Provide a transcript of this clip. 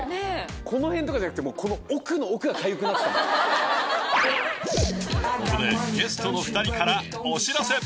この辺とかじゃなくてこのここでゲストの２人からお知らせ。